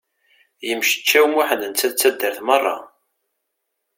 Yemceččaw Muḥend netta d taddart merra!